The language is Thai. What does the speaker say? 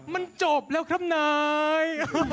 มันจบแล้วครับนาย